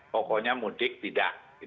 pokoknya mudik tidak